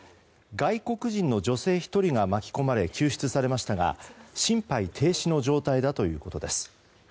外国人の女性１人が巻き込まれ救出されましたが心肺停止の状態だということです。